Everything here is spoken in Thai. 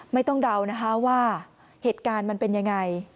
เดานะคะว่าเหตุการณ์มันเป็นยังไง